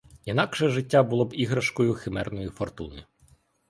Інакше життя було б іграшкою химерної фортуни.